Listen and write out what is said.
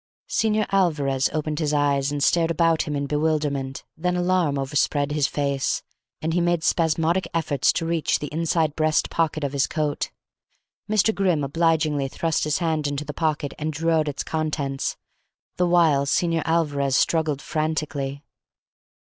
Señor Alvarez opened his eyes, and stared about him in bewilderment; then alarm overspread his face, and he made spasmodic efforts to reach the inside breast pocket of his coat. Mr. Grimm obligingly thrust his hand into the pocket and drew out its contents, the while Señor Alvarez struggled frantically.